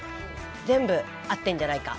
全部合ってんじゃないか。